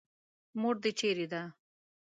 مور دې چېرې ده.